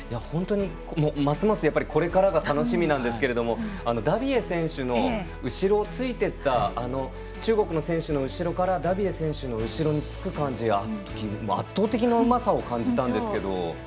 本当にますますこれからが楽しみなんですがダビエ選手の後ろをついていった中国の選手の後ろからダビエ選手の後ろにつくときあのとき圧倒的なうまさを感じたんですけども。